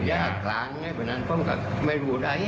มกยากกลางไงไม่รู้ได้